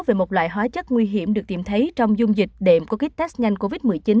về một loại hóa chất nguy hiểm được tìm thấy trong dung dịch đệm có kích test nhanh covid một mươi chín